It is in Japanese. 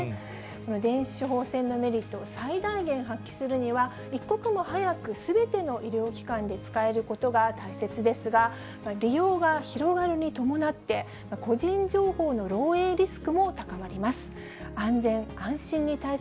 電子処方箋のメリットを最大限発揮するには、一刻も早くすべての医療機関で使えることが大切ですが、利用が広がるに伴って、個人情報の漏えいリスクも高まります。